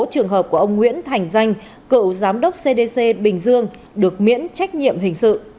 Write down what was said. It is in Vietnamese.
trường hợp của ông nguyễn thành danh cựu giám đốc cdc bình dương được miễn trách nhiệm hình sự